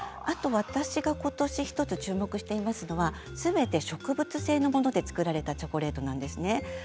私がことし１つ注目してるのはすべて植物性のもので作られたチョコレートなんですね。